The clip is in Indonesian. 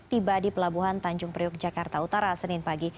tiba di pelabuhan tanjung priok jakarta utara senin pagi